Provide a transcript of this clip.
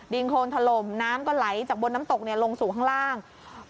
โคนถล่มน้ำก็ไหลจากบนน้ำตกลงสู่ข้างล่าง